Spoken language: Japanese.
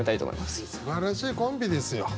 すばらしいコンビですよ。